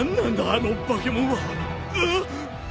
あの化けもんは！？